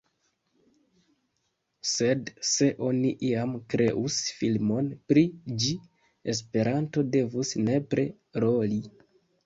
Sed se oni iam kreus filmon pri ĝi, Esperanto devus nepre roli.